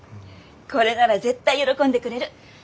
これなら絶対喜んでくれる。